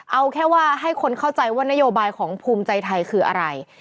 เอาแค่ว่าให้คนเข้าใจว่านโยบายของภูมิใจไทยคืออะไร